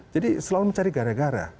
jadi selalu mencari gara gara